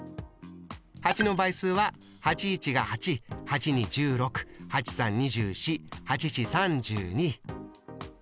８の倍数は８１が８８２１６８３２４８４３２。